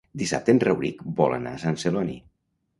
Dissabte en Rauric vol anar a Sant Celoni.